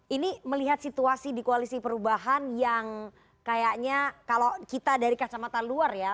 ini melihat situasi di koalisi perubahan yang kayaknya kalau kita dari kacamata luar ya